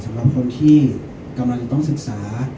สำหรับคนที่กำลังจะต้องศึกษา